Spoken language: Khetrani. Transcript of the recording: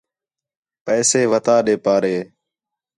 پیسے وَتا ݙے پارے